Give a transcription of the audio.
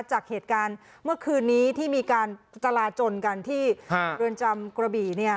จากเหตุการณ์เมื่อคืนนี้ที่มีการจราจนกันที่เรือนจำกระบี่เนี่ย